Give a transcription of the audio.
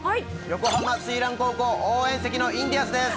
横浜翠嵐高校応援席のインディアンスです。